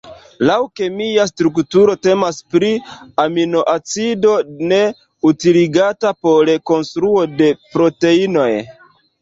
Laŭ kemia strukturo temas pri aminoacido ne utiligata por konstruo de proteinoj.